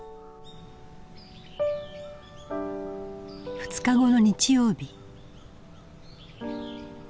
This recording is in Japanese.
２日後の日曜日。